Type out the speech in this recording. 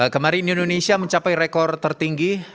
kemarin indonesia mencapai rekor tertinggi